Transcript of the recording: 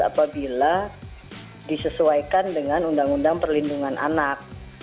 apabila disesuaikan dengan undang undang perlindungan anak